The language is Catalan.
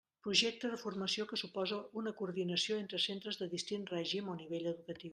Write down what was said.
Projecte de formació que suposa una coordinació entre centres de distint règim o nivell educatiu.